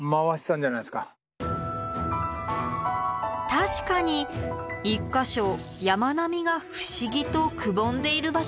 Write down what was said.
確かに１か所山並みが不思議とくぼんでいる場所がありますね。